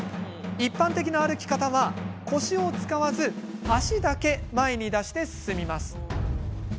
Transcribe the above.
一般的な歩き方は腰を使わず足だけ前に出して進みます。